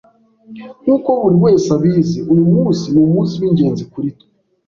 Nkuko buriwese abizi, uyumunsi numunsi wingenzi kuri twe.